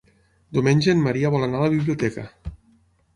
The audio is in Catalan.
Diumenge en Maria vol anar a la biblioteca.